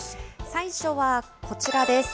最初はこちらです。